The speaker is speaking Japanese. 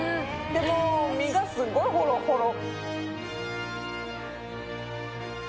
でも、身がすごいホロッホロ。